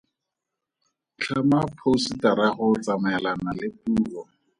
Tlhama phousetara go tsamaelana le puo.